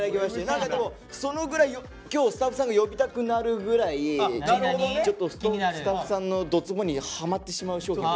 何かでもそのぐらい今日スタッフさんが呼びたくなるぐらいちょっとスタッフさんのどツボにハマってしまう。